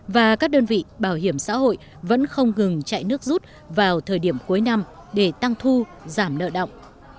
và các đơn vị bảo hiểm xã hội vẫn không ngừng chạy nước rút vào thời điểm cuối năm để tăng thu giảm nợ động